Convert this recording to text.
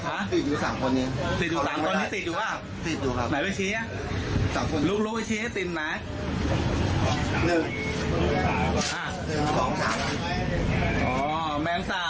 ครับแล้วก็เอาอุปกรณ์ตัดทางมา